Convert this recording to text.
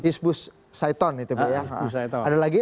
hizbus saiton itu ya ada lagi